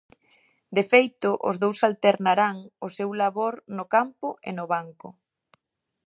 De feito, os dous alternarán o seu labor no campo e no banco.